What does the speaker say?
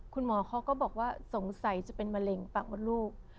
คุณหมอเขาก็บอกว่าสงสัยจะเป็นมะเร็งปากมดลูก